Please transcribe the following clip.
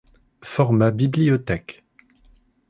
Format bibliothèque.